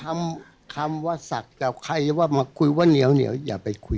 มสิบบว่าอาจารย์แล้ววันนี้อาจารย์เทียมจะโชว์ลอยศักดิ์เส้่ยหน่อย